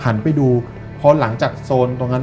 หันไปดูพอหลังจากโซนตรงนั้น